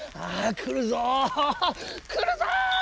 くるぞっ！